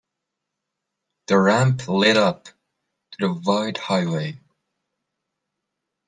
The ramp led up to the wide highway.